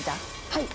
はい！